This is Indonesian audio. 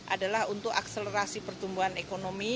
adalah untuk akselerasi pertumbuhan ekonomi